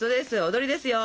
踊りですよ。